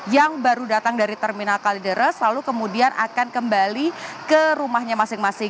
yang baru datang dari terminal kalideres lalu kemudian akan kembali ke rumahnya masing masing